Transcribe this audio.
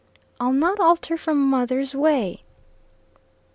"I'll not alter from mother's way."